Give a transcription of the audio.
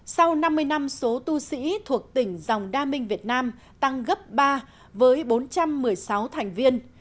sau năm mươi năm số tu sĩ thuộc tỉnh dòng đa minh việt nam tăng gấp ba với bốn trăm một mươi sáu thành viên